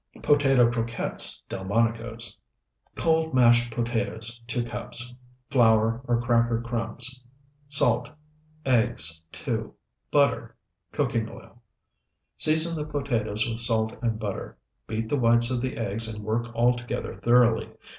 POTATO CROQUETTES (DELMONICO'S) Cold, mashed potatoes, 2 cups. Flour or cracker crumbs. Salt. Eggs, 2. Butter. Cooking oil. Season the potatoes with salt and butter. Beat the whites of the eggs and work all together thoroughly.